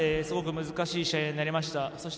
すごく難しい試合なりました。